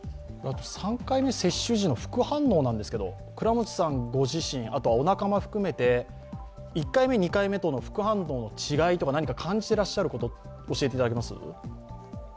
３回目接種時の副反応なんですけど、倉持さん御自身お仲間含めて、１回目、２回目との副反応の違いとか、感じてらっしゃること、教えていただけますか？